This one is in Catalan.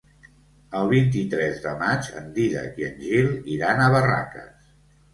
El vint-i-tres de maig en Dídac i en Gil iran a Barraques.